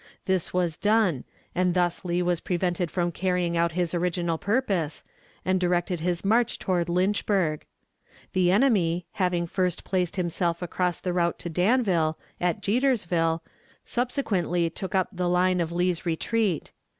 This was done, and thus Lee was prevented from carrying out his original purpose, and directed his march toward Lynchburg. The enemy, having first placed himself across the route to Danville, at Jetersville, subsequently took up the line of Lee's retreat.